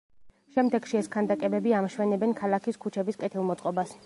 შემდეგში ეს ქანდაკებები ამშვენებენ ქალაქის ქუჩების კეთილმოწყობას.